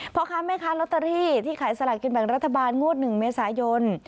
พ่อค้าแม่ค้าลอตเตอรี่ที่ขายสลากกินแบ่งรัฐบาลงวด๑เมษายน